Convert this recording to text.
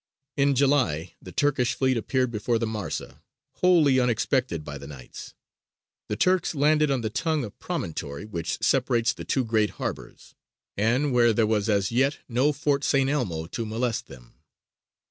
In July the Turkish fleet appeared before the Marsa, wholly unexpected by the Knights. The Turks landed on the tongue of promontory which separates the two great harbours, and where there was as yet no Fort St. Elmo to molest them.